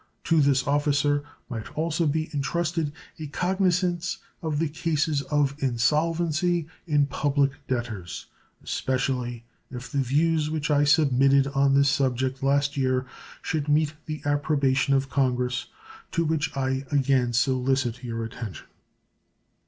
To this officer might also be intrusted a cognizance of the cases of insolvency in public debtors, especially if the views which I submitted on this subject last year should meet the approbation of Congress to which I again solicit your attention.